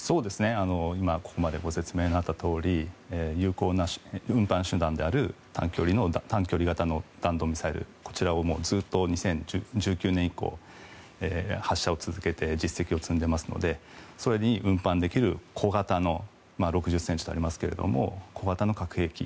今、ここまでご説明があったとおり有効な運搬手段である短距離型の弾道ミサイルこちらをずっと２０１９年以降発射を続けて実績を積んでいますのでそれに運搬できる６０ｃｍとありますが小型の核兵器